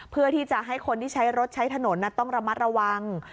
เพื่อที่จะให้คนที่ใช้รถใช้ถนนต้องระมัดระวัง